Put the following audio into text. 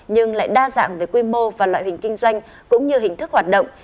nhưng lại đa dạng về quy mô và loại hình kinh doanh cũng như hình thức hoạt động